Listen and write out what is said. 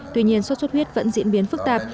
tuy nhiên suốt suốt huyết vẫn diễn biến phức tạp